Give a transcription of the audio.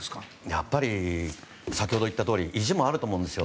やっぱり先ほど言ったとおり意地もあると思うんですよ。